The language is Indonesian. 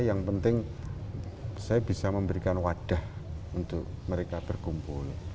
yang penting saya bisa memberikan wadah untuk mereka berkumpul